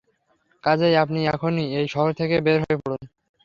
কাজেই আপনি এখনই এই শহর থেকে বের হয়ে পড়ুন।